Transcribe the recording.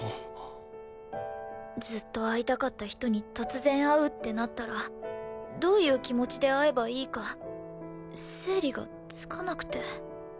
ずっと会いたかった人に突然会うってなったらどういう気持ちで会えばいいか整理がつかなくて。